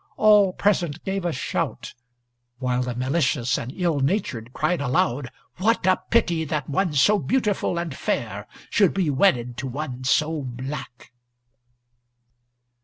All present gave a shout; while the malicious and ill natured cried aloud, "What a pity that one so beautiful and fair should be wedded to one so black!"